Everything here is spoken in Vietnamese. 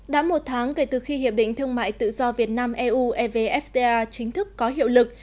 đã một tháng kể từ khi hiệp định thương mại tự do việt nam eu evfta chính thức có hiệu lực